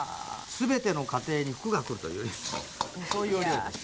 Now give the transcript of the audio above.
全ての家庭が福が来るというそういうお料理です。